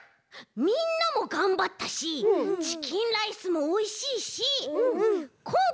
みんなもがんばったしチキンライスもおいしいしこん